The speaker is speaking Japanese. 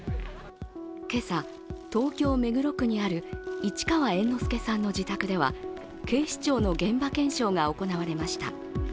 今朝、東京・目黒区にある市川猿之助さんの自宅では警視庁の現場検証が行われました。